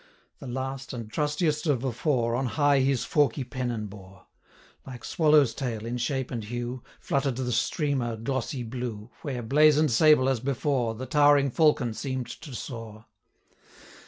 The last and trustiest of the four, On high his forky pennon bore; 110 Like swallow's tail, in shape and hue, Flutter'd the streamer glossy blue, Where, blazon'd sable, as before, The towering falcon seem'd to soar.